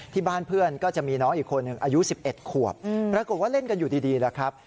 ที่บ้านเพื่อนก็จะมีน้องอีกคนหนึ่งอายุ๑๑ขวบปรากฏว่าเล่นกันอยู่ดีแล้วครับ